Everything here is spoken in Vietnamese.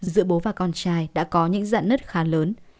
giữa bố và con trai đã có những dạ nứt khá lớn